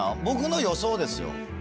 僕の予想ですよ？